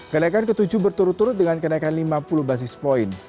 kenaikan ke tujuh berturut turut dengan kenaikan lima puluh basis point